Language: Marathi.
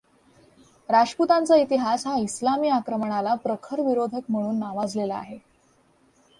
राजपुतांचा इतिहास हा इस्लामी आक्रमणाला प्रखर विरोधक म्हणून नावाजलेला आहे.